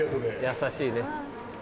優しいね。